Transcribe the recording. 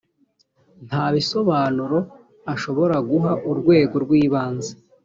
nta bisobanuro ashobora guha urwego rw’ibanze